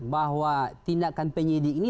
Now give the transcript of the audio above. bahwa tindakan penyidik ini